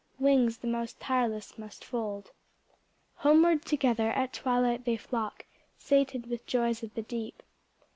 Wings the most tireless must fold. Homeward together at twilight they flock. Sated with joys of the deep.